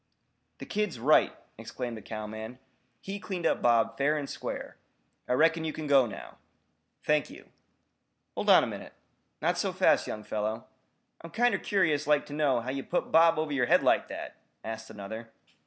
"The kid's right," exclaimed a cowman. "He cleaned up Bob fair and square. I reckon you kin go, now." "Thank you." "Hold on a minute. Not so fast, young fellow. I'm kinder curious like to know how ye put Bob over yer head like that!" asked another.